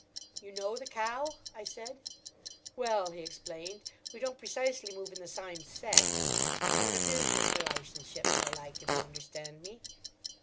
"You know the cow?" I said. "Well," he explained, "we don't precisely move in the sime set. Sort o' business relytionship more like—if you understand me?"